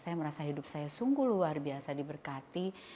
saya merasa hidup saya sungguh luar biasa diberkati